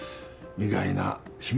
意外な秘密。